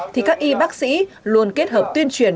thì các y bác sĩ luôn kết hợp tuyên truyền